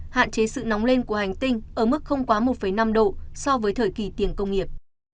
hạn chế sự nóng lên của hành tinh ở mức không quá một năm độ so với thời kỳ tiền công nghiệp